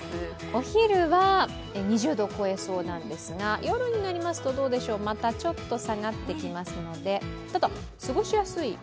お昼は２０度を超えそうなんですが夜になるとどうでしょうまたちょっと下がってきますのでただ過ごしやすい？